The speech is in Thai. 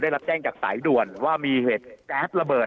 ได้รับแจ้งจากสายด้วนว่ามีเหตุมีแบตระเบิด